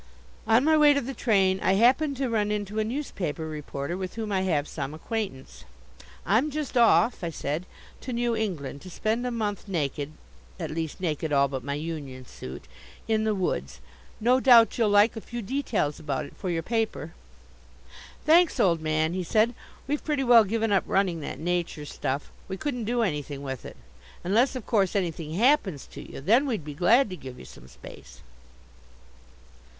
On my way to the train I happened to run into a newspaper reporter with whom I have some acquaintance. "I'm just off," I said, "to New England to spend a month naked at least naked all but my union suit in the woods; no doubt you'll like a few details about it for your paper." "Thanks, old man," he said, "we've pretty well given up running that nature stuff. We couldn't do anything with it unless, of course, anything happens to you. Then we'd be glad to give you some space."